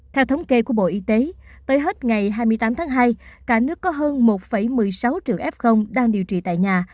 theo thống kê của bộ y tế tới hết ngày hai mươi tám tháng hai cả nước có hơn một một mươi sáu triệu f đang điều trị tại nhà